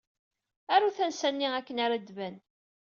Aru tansa-nni akken ara d-tban.